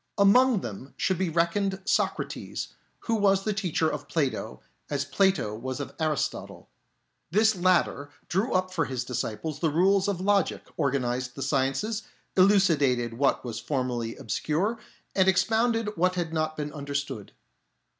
Among them should be reckoned Socrates, who was the teacher of Plato as Plato was of Aristotle. This latter drew up for his disciples the rules of logic, organised the sciences, elucidated what was formerly obscure, and expounded what had not been understood.